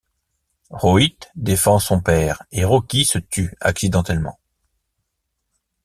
Rohit défend son père et Rocky se tue accidentellement.